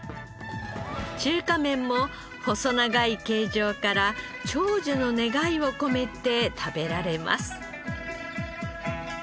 中華麺も細長い形状から長寿の願いを込めて食べられます。